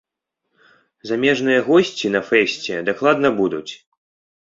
Замежныя госці на фэсце дакладна будуць.